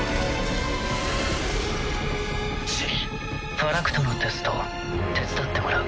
ファラクトのテスト手伝ってもらう。